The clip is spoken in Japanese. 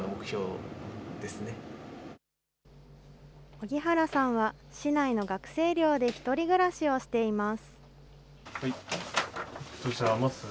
荻原さんは市内の学生寮で１人暮らしをしています。